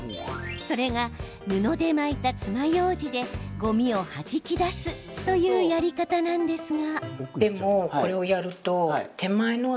それが、布で巻いたつまようじでごみをはじき出すというやり方なんですが。